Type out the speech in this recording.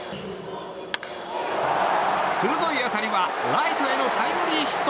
鋭い当たりはライトへのタイムリーヒット！